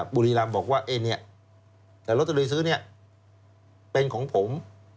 บุรีรำบอกว่าแต่ลอตเตอรี่ซื้อเนี่ยเป็นของผม